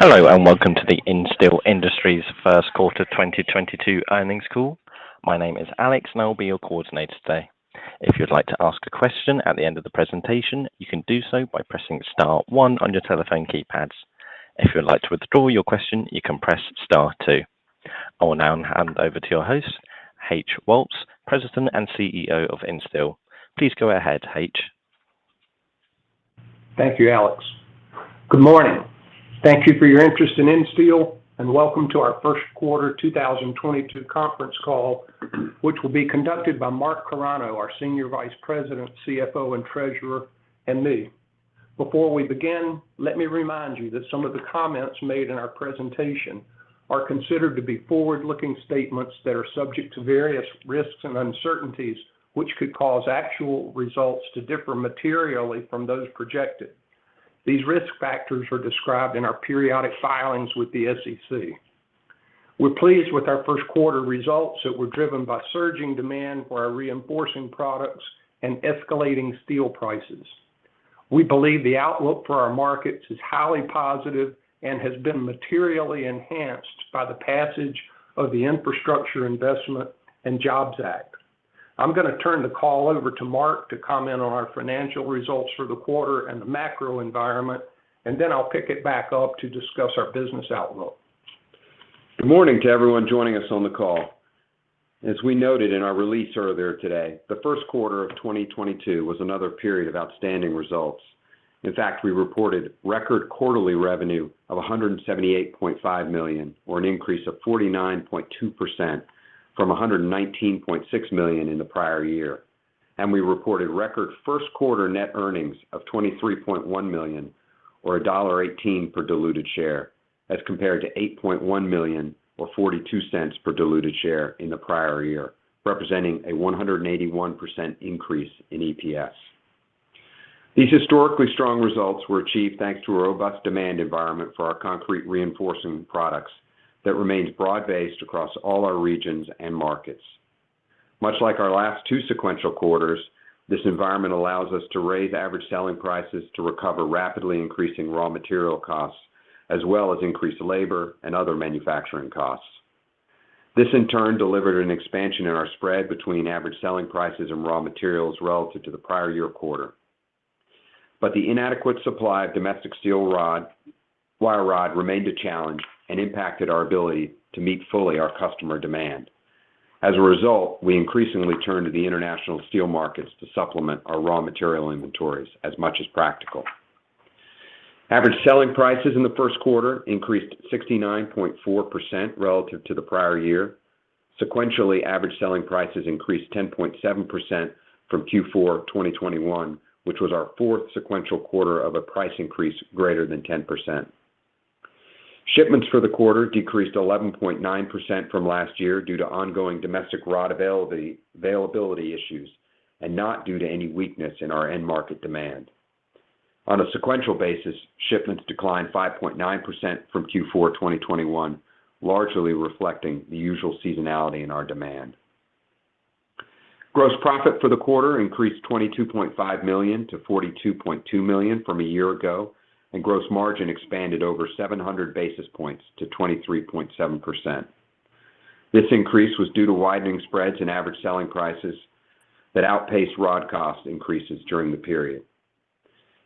Hello, and welcome to the Insteel Industries First Quarter 2022 Earnings Call. My name is Alex, and I will be your coordinator today. If you'd like to ask a question at the end of the presentation, you can do so by pressing star one on your telephone keypads. If you would like to withdraw your question, you can press star two. I will now hand over to your host, H.O. Woltz, President and CEO of Insteel. Please go ahead, H. Thank you, Alex. Good morning. Thank you for your interest in Insteel, and welcome to our first quarter 2022 conference call, which will be conducted by Mark Carano, our Senior Vice President, CFO, and Treasurer, and me. Before we begin, let me remind you that some of the comments made in our presentation are considered to be forward-looking statements that are subject to various risks and uncertainties, which could cause actual results to differ materially from those projected. These risk factors are described in our periodic filings with the SEC. We're pleased with our first quarter results that were driven by surging demand for our reinforcing products and escalating steel prices. We believe the outlook for our markets is highly positive and has been materially enhanced by the passage of the Infrastructure Investment and Jobs Act. I'm gonna turn the call over to Mark to comment on our financial results for the quarter and the macro environment, and then I'll pick it back up to discuss our business outlook. Good morning to everyone joining us on the call. As we noted in our release earlier today, the first quarter of 2022 was another period of outstanding results. In fact, we reported record quarterly revenue of $178.5 million, or an increase of 49.2% from $119.6 million in the prior year. We reported record first quarter net earnings of $23.1 million or $1.18 per diluted share as compared to $8.1 million or $0.42 per diluted share in the prior year, representing a 181% increase in EPS. These historically strong results were achieved thanks to a robust demand environment for our concrete reinforcing products that remains broad-based across all our regions and markets. Much like our last two sequential quarters, this environment allows us to raise average selling prices to recover rapidly increasing raw material costs, as well as increased labor and other manufacturing costs. This in turn delivered an expansion in our spread between average selling prices and raw materials relative to the prior year quarter. The inadequate supply of domestic steel wire rod remained a challenge and impacted our ability to meet fully our customer demand. As a result, we increasingly turn to the international steel markets to supplement our raw material inventories as much as practical. Average selling prices in the first quarter increased 69.4% relative to the prior year. Sequentially, average selling prices increased 10.7% from Q4 2021, which was our fourth sequential quarter of a price increase greater than 10%. Shipments for the quarter decreased 11.9% from last year due to ongoing domestic rod availability issues and not due to any weakness in our end market demand. On a sequential basis, shipments declined 5.9% from Q4 2021, largely reflecting the usual seasonality in our demand. Gross profit for the quarter increased $22.5 million to $42.2 million from a year ago, and gross margin expanded over 700 basis points to 23.7%. This increase was due to widening spreads in average selling prices that outpaced rod cost increases during the period.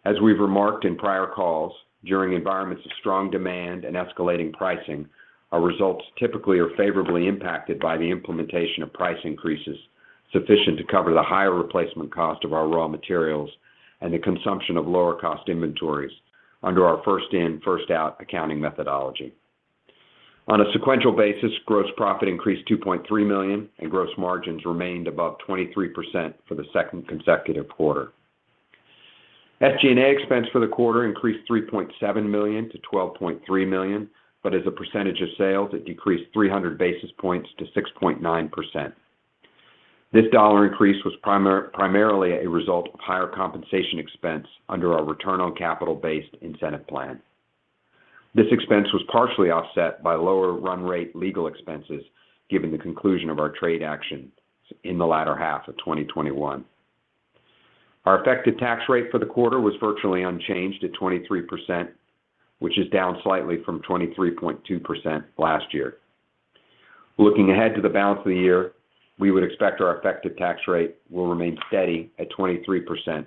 As we've remarked in prior calls, during environments of strong demand and escalating pricing, our results typically are favorably impacted by the implementation of price increases sufficient to cover the higher replacement cost of our raw materials and the consumption of lower cost inventories under our first in, first out accounting methodology. On a sequential basis, gross profit increased $2.3 million and gross margins remained above 23% for the second consecutive quarter. SG&A expense for the quarter increased $3.7 million to $12.3 million, but as a percentage of sales, it decreased 300 basis points to 6.9%. This dollar increase was primarily a result of higher compensation expense under our return on capital-based incentive plan. This expense was partially offset by lower run rate legal expenses given the conclusion of our trade action in the latter half of 2021. Our effective tax rate for the quarter was virtually unchanged at 23%, which is down slightly from 23.2% last year. Looking ahead to the balance of the year, we would expect our effective tax rate will remain steady at 23%,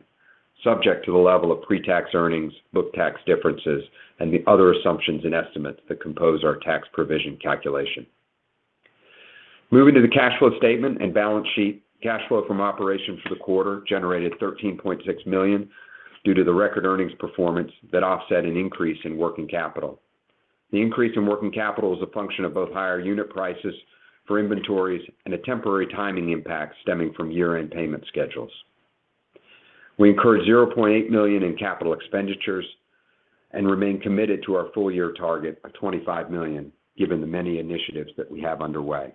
subject to the level of pre-tax earnings, book tax differences, and the other assumptions and estimates that compose our tax provision calculation. Moving to the cash flow statement and balance sheet, cash flow from operations for the quarter generated $13.6 million due to the record earnings performance that offset an increase in working capital. The increase in working capital is a function of both higher unit prices for inventories and a temporary timing impact stemming from year-end payment schedules. We incurred $0.8 million in capital expenditures and remain committed to our full year target of $25 million, given the many initiatives that we have underway.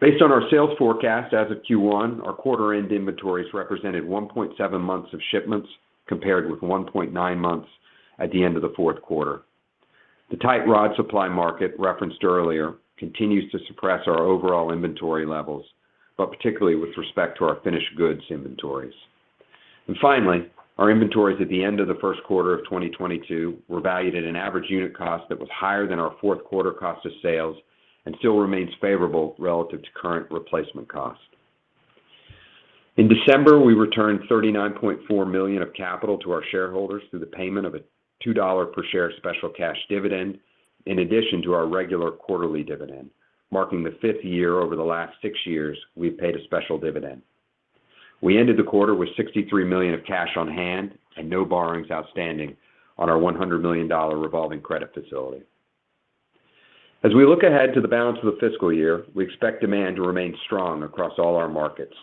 Based on our sales forecast as of Q1, our quarter-end inventories represented 1.7 months of shipments compared with 1.9 months at the end of the fourth quarter. The tight rod supply market referenced earlier continues to suppress our overall inventory levels, but particularly with respect to our finished goods inventories. Finally, our inventories at the end of the first quarter of 2022 were valued at an average unit cost that was higher than our fourth quarter cost of sales and still remains favorable relative to current replacement cost. In December, we returned $39.4 million of capital to our shareholders through the payment of a $2 per share special cash dividend in addition to our regular quarterly dividend, marking the fifth year over the last six years we've paid a special dividend. We ended the quarter with $63 million of cash on hand and no borrowings outstanding on our $100 million revolving credit facility. As we look ahead to the balance of the fiscal year, we expect demand to remain strong across all our markets.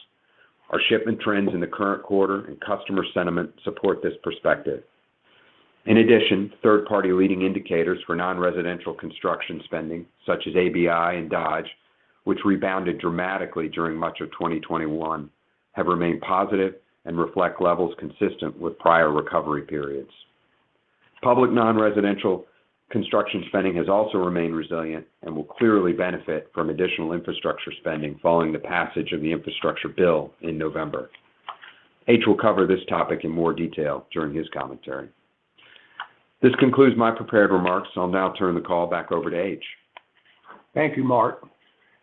Our shipment trends in the current quarter and customer sentiment support this perspective. In addition, third-party leading indicators for non-residential construction spending, such as ABI and Dodge, which rebounded dramatically during much of 2021, have remained positive and reflect levels consistent with prior recovery periods. Public non-residential construction spending has also remained resilient and will clearly benefit from additional infrastructure spending following the passage of the infrastructure bill in November. H will cover this topic in more detail during his commentary. This concludes my prepared remarks, and I'll now turn the call back over to H. Thank you, Mark.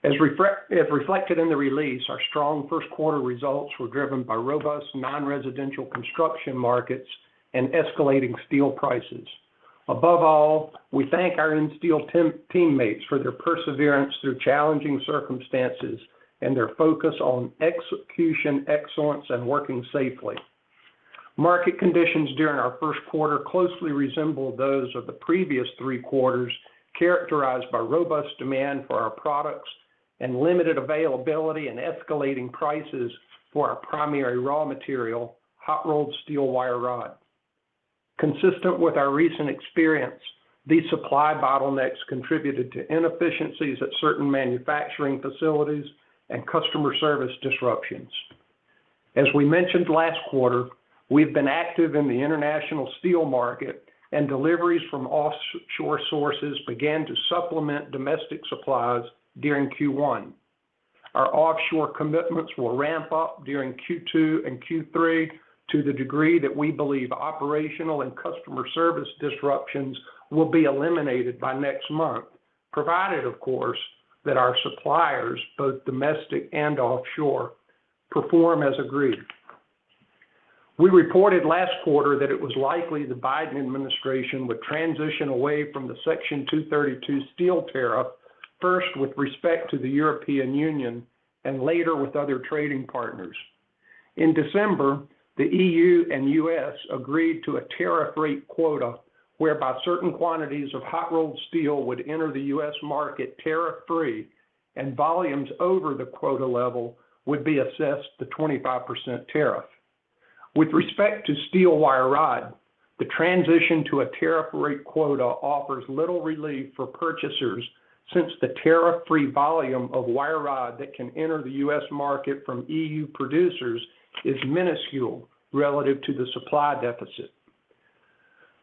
As reflected in the release, our strong first quarter results were driven by robust non-residential construction markets and escalating steel prices. Above all, we thank our Insteel teammates for their perseverance through challenging circumstances and their focus on execution, excellence, and working safely. Market conditions during our first quarter closely resembled those of the previous three quarters, characterized by robust demand for our products and limited availability and escalating prices for our primary raw material, hot-rolled steel wire rod. Consistent with our recent experience, these supply bottlenecks contributed to inefficiencies at certain manufacturing facilities and customer service disruptions. As we mentioned last quarter, we've been active in the international steel market, and deliveries from offshore sources began to supplement domestic supplies during Q1. Our offshore commitments will ramp up during Q2 and Q3 to the degree that we believe operational and customer service disruptions will be eliminated by next month, provided, of course, that our suppliers, both domestic and offshore, perform as agreed. We reported last quarter that it was likely the Biden administration would transition away from the Section 232 steel tariff, first with respect to the European Union and later with other trading partners. In December, the EU and U.S. agreed to a tariff rate quota whereby certain quantities of hot-rolled steel would enter the U.S. market tariff-free, and volumes over the quota level would be assessed the 25% tariff. With respect to steel wire rod, the transition to a tariff rate quota offers little relief for purchasers since the tariff-free volume of wire rod that can enter the U.S. market from EU producers is minuscule relative to the supply deficit.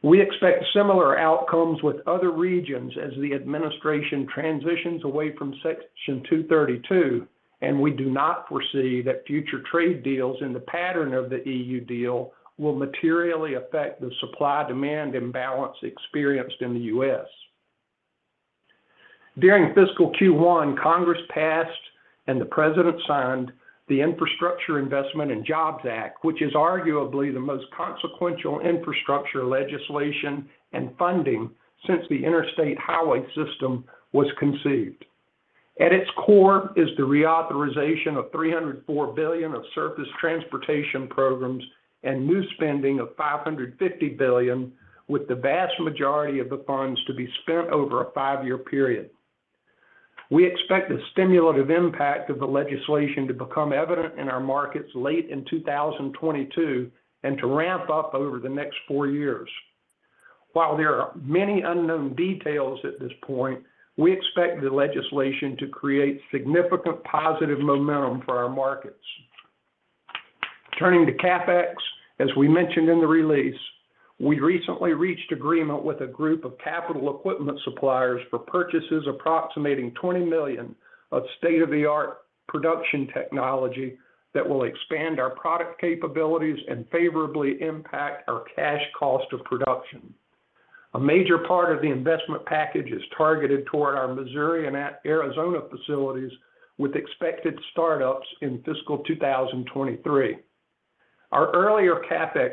We expect similar outcomes with other regions as the administration transitions away from Section 232, and we do not foresee that future trade deals in the pattern of the EU deal will materially affect the supply-demand imbalance experienced in the U.S. During fiscal Q1, Congress passed and the President signed the Infrastructure Investment and Jobs Act, which is arguably the most consequential infrastructure legislation and funding since the Interstate Highway System was conceived. At its core is the reauthorization of $304 billion of surface transportation programs and new spending of $550 billion, with the vast majority of the funds to be spent over a five-year period. We expect the stimulative impact of the legislation to become evident in our markets late in 2022 and to ramp up over the next four years. While there are many unknown details at this point, we expect the legislation to create significant positive momentum for our markets. Turning to CapEx, as we mentioned in the release, we recently reached agreement with a group of capital equipment suppliers for purchases approximating $20 million of state-of-the-art production technology that will expand our product capabilities and favorably impact our cash cost of production. A major part of the investment package is targeted toward our Missouri and Arizona facilities, with expected startups in fiscal 2023. Our earlier CapEx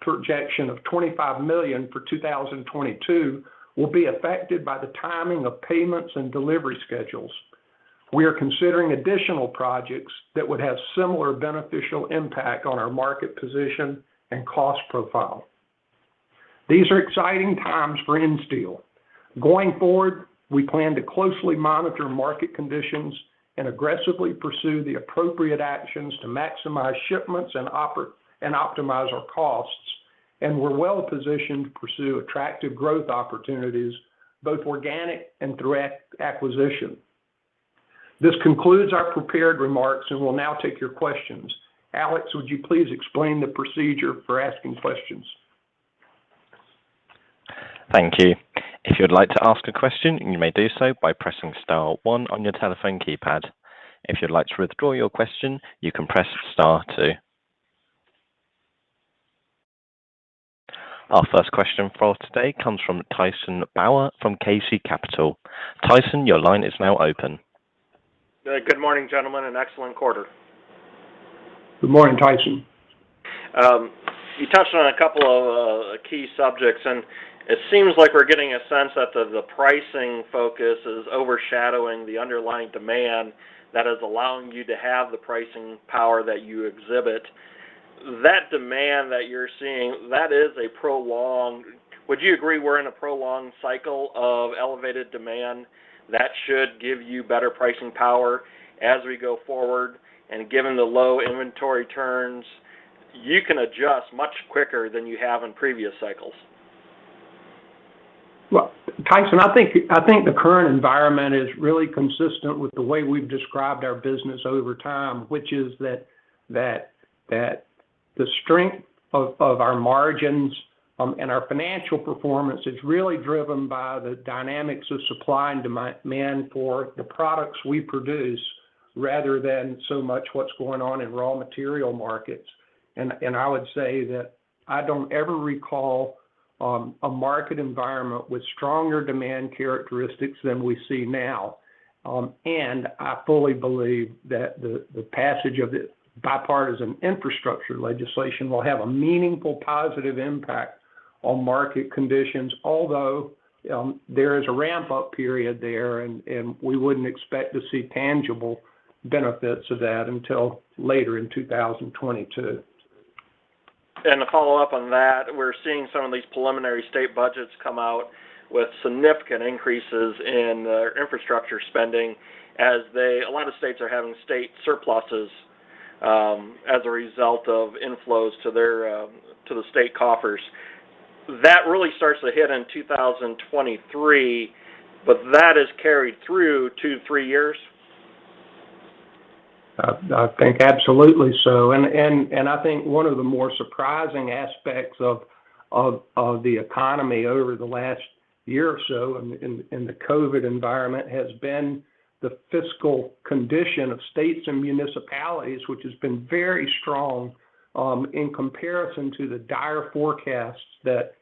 projection of $25 million for 2022 will be affected by the timing of payments and delivery schedules. We are considering additional projects that would have similar beneficial impact on our market position and cost profile. These are exciting times for Insteel. Going forward, we plan to closely monitor market conditions and aggressively pursue the appropriate actions to maximize shipments and optimize our costs. We're well-positioned to pursue attractive growth opportunities, both organic and through acquisition. This concludes our prepared remarks, and we'll now take your questions. Alex, would you please explain the procedure for asking questions? Thank you. If you'd like to ask a question, you may do so by pressing star one on your telephone keypad. If you'd like to withdraw your question, you can press star two. Our first question for today comes from Tyson Bauer from KC Capital. Tyson, your line is now open. Good morning, gentlemen. An excellent quarter. Good morning, Tyson. You touched on a couple of key subjects, and it seems like we're getting a sense that the pricing focus is overshadowing the underlying demand that is allowing you to have the pricing power that you exhibit. That demand that you're seeing. Would you agree we're in a prolonged cycle of elevated demand that should give you better pricing power as we go forward? Given the low inventory turns, you can adjust much quicker than you have in previous cycles. Well, Tyson, I think the current environment is really consistent with the way we've described our business over time, which is that the strength of our margins and our financial performance is really driven by the dynamics of supply and demand for the products we produce, rather than so much what's going on in raw material markets. I would say that I don't ever recall a market environment with stronger demand characteristics than we see now. I fully believe that the passage of the bipartisan infrastructure legislation will have a meaningful positive impact on market conditions, although there is a ramp-up period there and we wouldn't expect to see tangible benefits of that until later in 2022. To follow up on that, we're seeing some of these preliminary state budgets come out with significant increases in infrastructure spending as a lot of states are having state surpluses as a result of inflows to the state coffers. That really starts to hit in 2023, but that is carried through 2-3 years? I think absolutely so. I think one of the more surprising aspects of the economy over the last year or so in the COVID environment has been the fiscal condition of states and municipalities, which has been very strong in comparison to the dire forecasts that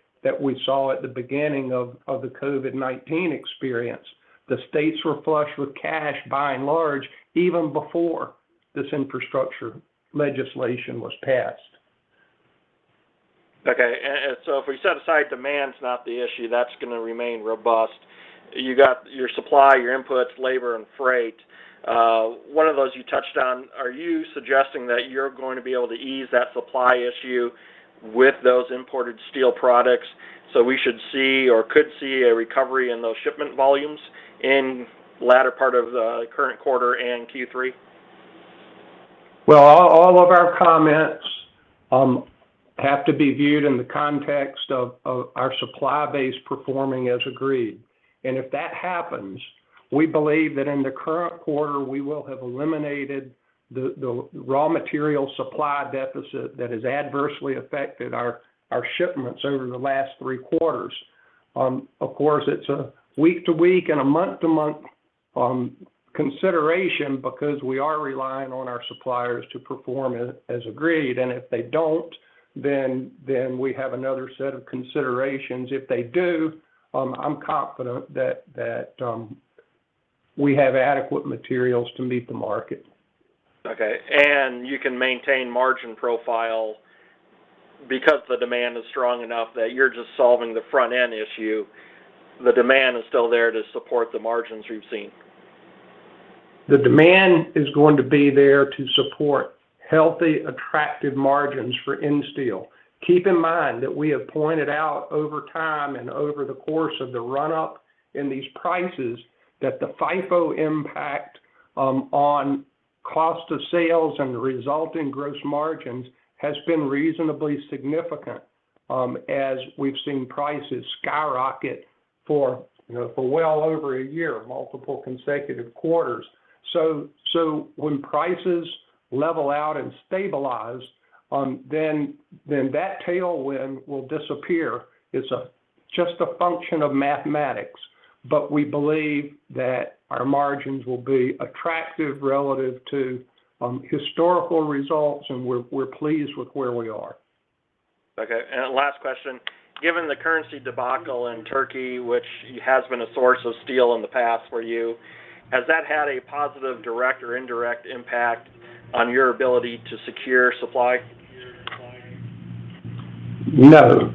we saw at the beginning of the COVID-19 experience. The states were flush with cash by and large, even before this infrastructure legislation was passed. Okay. If we set aside demand's not the issue, that's gonna remain robust. You got your supply, your inputs, labor, and freight. One of those you touched on, are you suggesting that you're going to be able to ease that supply issue with those imported steel products, so we should see or could see a recovery in those shipment volumes in latter part of the current quarter and Q3? Well, all of our comments have to be viewed in the context of our supply base performing as agreed. If that happens, we believe that in the current quarter, we will have eliminated the raw material supply deficit that has adversely affected our shipments over the last three quarters. Of course, it's a week to week and a month to month consideration because we are relying on our suppliers to perform as agreed. If they don't, then we have another set of considerations. If they do, I'm confident that we have adequate materials to meet the market. Okay. You can maintain margin profile because the demand is strong enough that you're just solving the front-end issue. The demand is still there to support the margins we've seen. The demand is going to be there to support healthy, attractive margins for Insteel. Keep in mind that we have pointed out over time and over the course of the run-up in these prices that the FIFO impact on cost of sales and the resulting gross margins has been reasonably significant, as we've seen prices skyrocket for, you know, for well over a year, multiple consecutive quarters. So when prices level out and stabilize, then that tailwind will disappear. It's just a function of mathematics. We believe that our margins will be attractive relative to historical results, and we're pleased with where we are. Okay. Last question. Given the currency debacle in Turkey, which has been a source of steel in the past for you, has that had a positive direct or indirect impact on your ability to secure supply? No.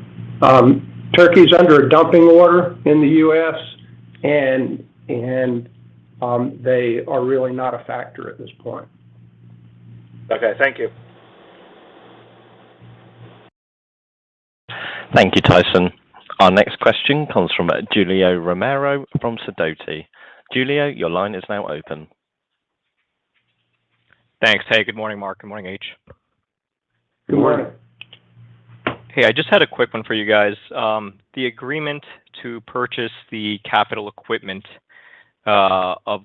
Turkey's under a dumping order in the U.S., and they are really not a factor at this point. Okay. Thank you. Thank you, Tyson. Our next question comes from Julio Romero from Sidoti. Julio, your line is now open. Thanks. Hey, good morning, Mark. Good morning, H. Good morning. Hey, I just had a quick one for you guys. The agreement to purchase the capital equipment of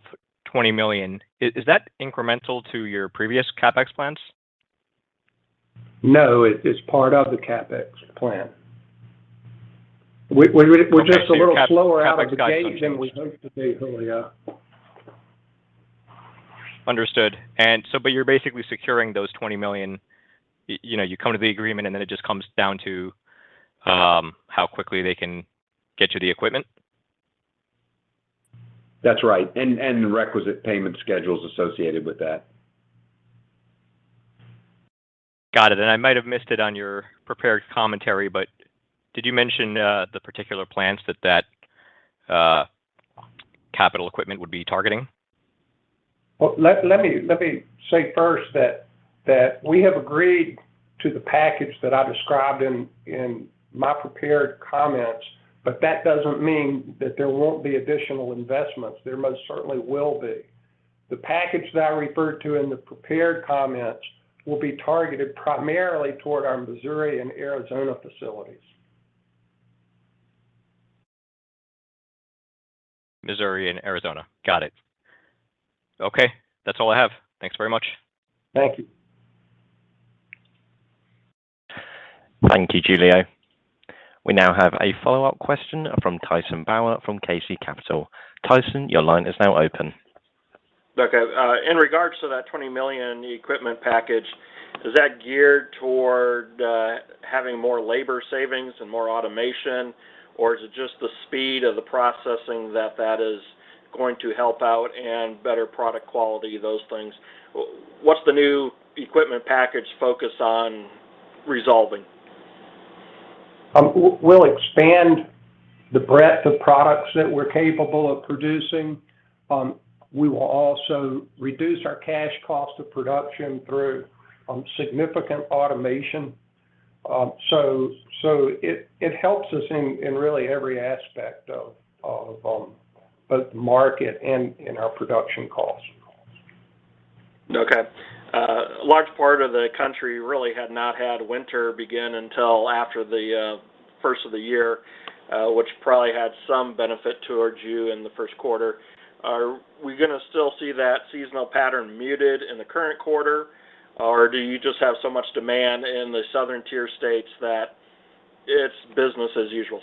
$20 million. Is that incremental to your previous CapEx plans? No, it is part of the CapEx plan. We're just a little slower. Go back to your CapEx guidance then. out of the gate than we hoped to be earlier. Understood. You're basically securing those $20 million. You know, you come to the agreement, and then it just comes down to how quickly they can get you the equipment? That's right, and the requisite payment schedules associated with that. Got it. I might have missed it on your prepared commentary, but did you mention the particular plans that capital equipment would be targeting? Well, let me say first that we have agreed to the package that I described in my prepared comments, but that doesn't mean that there won't be additional investments. There most certainly will be. The package that I referred to in the prepared comments will be targeted primarily toward our Missouri and Arizona facilities. Missouri and Arizona. Got it. Okay, that's all I have. Thanks very much. Thank you. Thank you, Julio. We now have a follow-up question from Tyson Bauer from KC Capital. Tyson, your line is now open. Okay. In regards to that $20 million equipment package, is that geared toward having more labor savings and more automation, or is it just the speed of the processing that is going to help out and better product quality, those things? What's the new equipment package focus on resolving? We'll expand the breadth of products that we're capable of producing. We will also reduce our cash cost of production through significant automation. It helps us in really every aspect of both market and in our production costs. Okay. A large part of the country really had not had winter begin until after the first of the year, which probably had some benefit towards you in the first quarter. Are we gonna still see that seasonal pattern muted in the current quarter, or do you just have so much demand in the southern tier states that it's business as usual?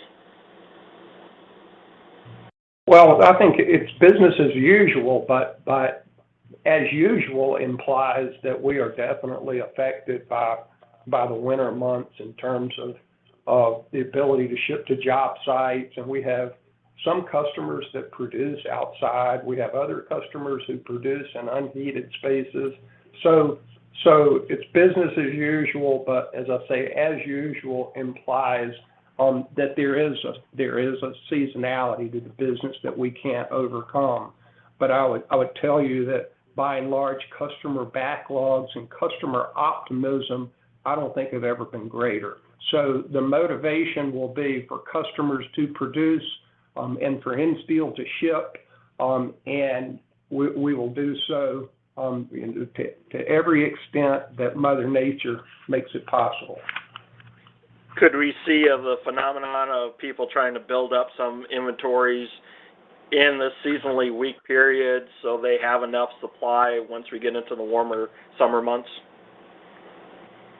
Well, I think it's business as usual, but as usual implies that we are definitely affected by the winter months in terms of the ability to ship to job sites, and we have some customers that produce outside. We have other customers who produce in unheated spaces. It's business as usual, but as I say, as usual implies that there is a seasonality to the business that we can't overcome. I would tell you that by and large, customer backlogs and customer optimism I don't think have ever been greater. The motivation will be for customers to produce and for Insteel to ship, and we will do so to every extent that Mother Nature makes it possible. Could we see the phenomenon of people trying to build up some inventories in the seasonally weak period so they have enough supply once we get into the warmer summer months?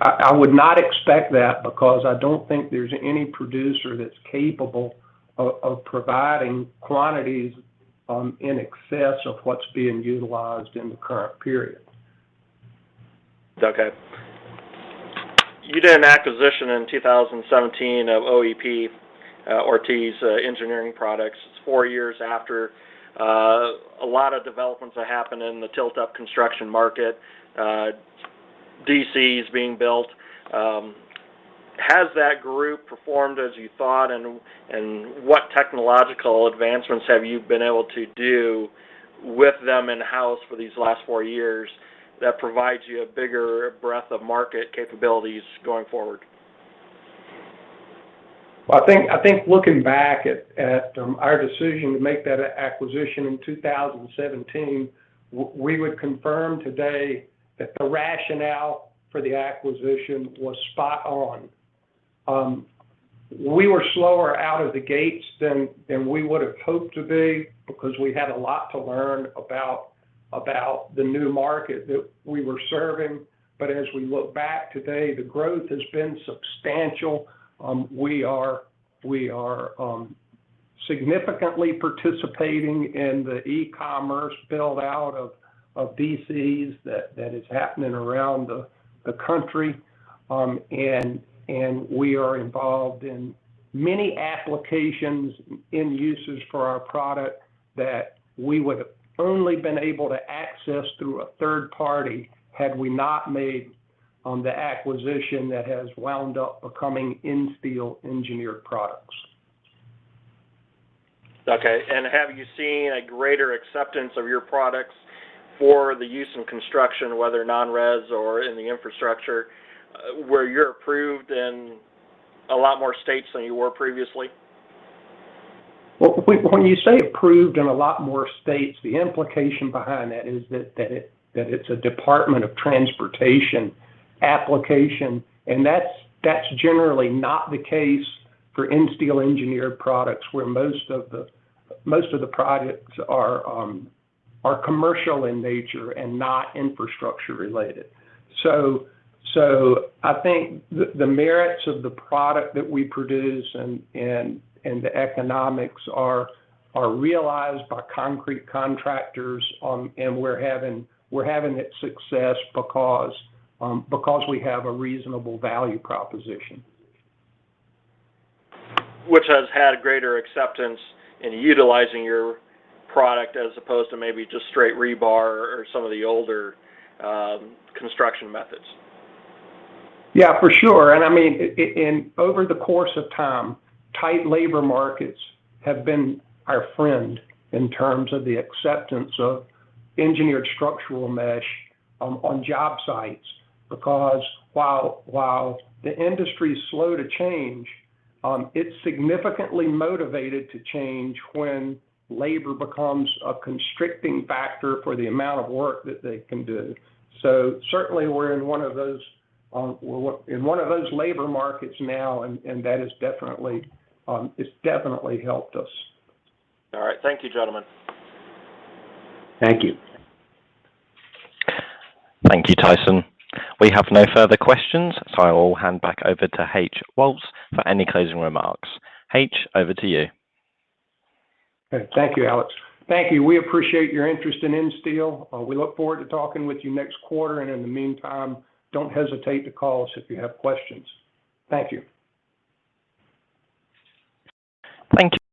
I would not expect that because I don't think there's any producer that's capable of providing quantities in excess of what's being utilized in the current period. Okay. You did an acquisition in 2017 of OEP, Ortiz Engineered Products. It's four years after a lot of developments that happened in the tilt-up construction market, DCs being built. Has that group performed as you thought, and what technological advancements have you been able to do with them in-house for these last four years that provides you a bigger breadth of market capabilities going forward? Well, I think looking back at our decision to make that acquisition in 2017, we would confirm today that the rationale for the acquisition was spot on. We were slower out of the gates than we would've hoped to be because we had a lot to learn about the new market that we were serving. As we look back today, the growth has been substantial. We are significantly participating in the e-commerce build out of DCs that is happening around the country. We are involved in many applications and uses for our product that we would've only been able to access through a third party had we not made the acquisition that has wound up becoming Insteel Engineered Products. Okay. Have you seen a greater acceptance of your products for the use in construction, whether non-res or in the infrastructure, where you're approved in a lot more states than you were previously? Well, when you say approved in a lot more states, the implication behind that is that it’s a Department of Transportation application, and that’s generally not the case for Insteel Engineered Products, where most of the products are commercial in nature and not infrastructure related. I think the merits of the product that we produce and the economics are realized by concrete contractors, and we’re having that success because we have a reasonable value proposition. Which has had greater acceptance in utilizing your product as opposed to maybe just straight rebar or some of the older, construction methods. Yeah, for sure. I mean, over the course of time, tight labor markets have been our friend in terms of the acceptance of engineered structural mesh on job sites. Because while the industry's slow to change, it's significantly motivated to change when labor becomes a constricting factor for the amount of work that they can do. Certainly we're in one of those labor markets now and that has definitely, it's definitely helped us. All right. Thank you, gentlemen. Thank you. Thank you, Tyson. We have no further questions, so I will hand back over to H. O. Woltz for any closing remarks. H, over to you. Okay. Thank you, Alex. Thank you. We appreciate your interest in Insteel. We look forward to talking with you next quarter, and in the meantime, don't hesitate to call us if you have questions. Thank you. Thank you.